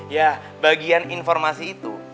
ya bagian informasi itu